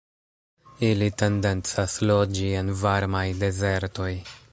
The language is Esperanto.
Ili tendencas loĝi en varmaj dezertoj.